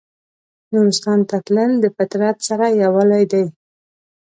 نورستان ته تلل د فطرت سره یووالی دی.